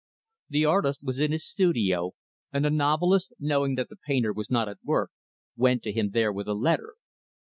The artist was in his studio, and the novelist, knowing that the painter was not at work, went to him there with a letter.